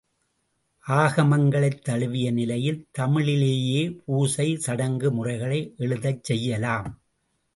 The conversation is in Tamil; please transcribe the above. ஆகமங்களைத் தழுவிய நிலையில் தமிழிலேயே பூசை, சடங்கு முறைகளை எழுதச் செய்யலாம்.